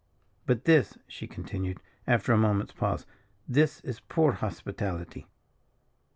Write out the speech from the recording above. But this," she continued, after a moment's pause, "this is poor hospitality.